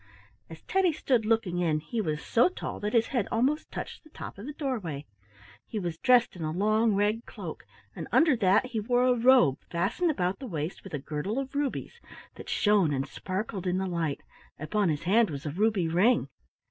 As Teddy stood looking in he was so tall that his head almost touched the top of the doorway. He was dressed in a long red cloak, and under that he wore a robe fastened about the waist with a girdle of rubies that shone and sparkled in the light; upon his hand was a ruby ring.